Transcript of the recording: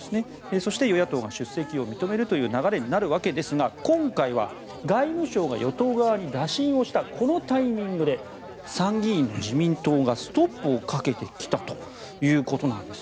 そして、与野党が出席を認めるという流れになるわけですが今回は外務省が与党側に打診したこのタイミングで参議院の自民党がストップをかけてきたということです。